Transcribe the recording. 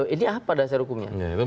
ini apa dasar hukumnya